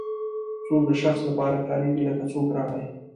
څوک د شخص لپاره کاریږي لکه څوک راغی.